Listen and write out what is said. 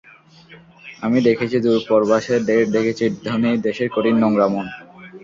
আমি দেখেছি দূর পরবাসে ঢের দেখেছি ধনী দেশের কঠিন নোংরা মন।